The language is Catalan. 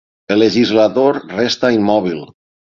El legislador resta immòbil.